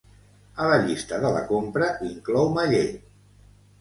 A la llista de la compra, inclou-me llet.